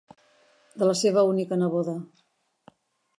De la seva única neboda.